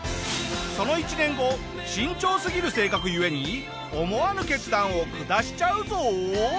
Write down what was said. その１年後慎重すぎる性格ゆえに思わぬ決断を下しちゃうぞ。